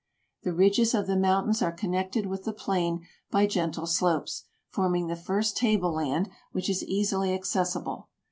The ridges of the mountains are connected with the plain by gentle slopes, forming the first table land which is easily accessible.